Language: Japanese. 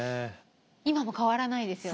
今も変わらないですよね。